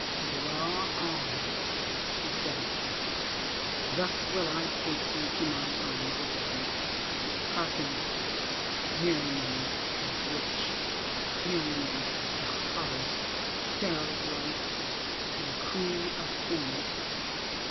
"Draw on," he said. "Thus will I take thee to my arms again. Hearken, Meriamun the witch—Meriamun the harlot: Pharaoh's wife and Queen of Khem.